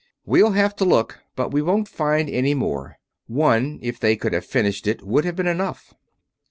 "We'll have to look, but we won't find any more. One if they could have finished it would have been enough."